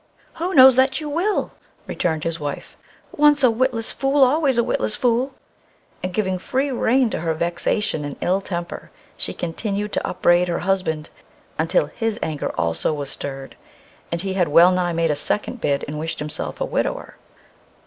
"Who knows that you will?" returned his wife. "Once a witless fool, always a witless fool!" and giving free rein to her vexation and ill temper she continued to upbraid her husband until his anger also was stirred, and he had wellnigh made a second bid and wished himself a widower.